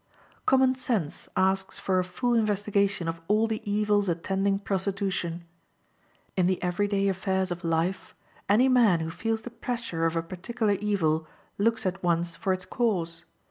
Common sense asks for a full investigation of all the evils attending prostitution. In the every day affairs of life, any man who feels the pressure of a particular evil looks at once for its cause.